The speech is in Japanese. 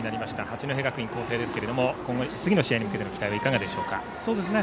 八戸学院光星ですが今後、次の試合に向けての期待はいかがでしょうか。